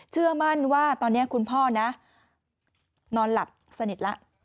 เชื่อมั่นว่าตอนนี้คุณพ่อนะนอนหลับสนิทแล้ว